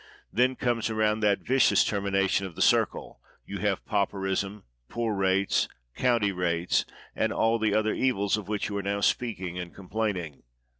Then comes around that viciou^s termination of the circle — j'ou have pauperism, poor rates, coun ty rates, and all the other evils of which you are now speaking and complaining.